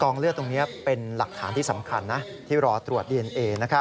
เลือดตรงนี้เป็นหลักฐานที่สำคัญนะที่รอตรวจดีเอนเอ